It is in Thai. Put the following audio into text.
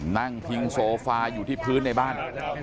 นั่งพิงโซฟาอยู่ที่พื้นในบ้าน